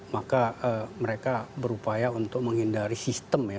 maka mereka berupaya untuk menghindari sistem ya